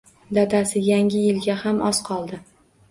Dadasi, Yangi yilga ham oz qoldi